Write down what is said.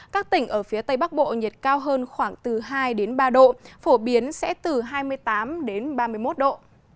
các tỉnh ở phía tây bắc bộ nhiệt cao hơn khoảng từ hai đến ba độ phổ biến sẽ từ hai mươi tám ba mươi một độ